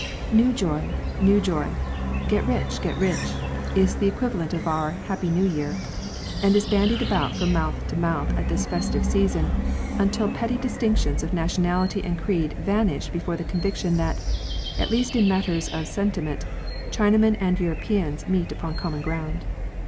" New joy, new joy ; get rich, get rich," is the equivalent of our " Happy New Year," and is bandied about from mouth to mouth at this festive season, until petty distinctions of nationality and creed vanish before the conviction that, at least in matters of sentiment. Chinamen and Europeans meet upon common ground.